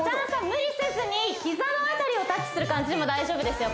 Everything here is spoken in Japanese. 無理せずに膝の辺りをタッチする感じでも大丈夫ですよ